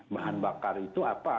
bahan bakar itu apa